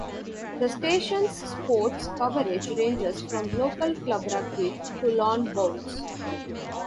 The stations sports coverage ranges from local club rugby to lawn bowls.